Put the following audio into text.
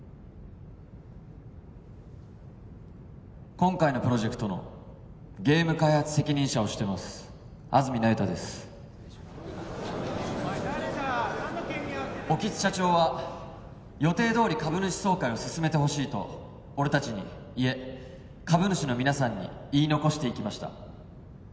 今回のプロジェクトのゲーム開発責任者をしてます安積那由他ですお前誰だ何の権限あって興津社長は予定どおり株主総会を進めてほしいと俺達にいえ株主の皆さんに言い残していきました